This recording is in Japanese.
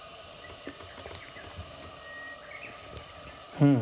うん。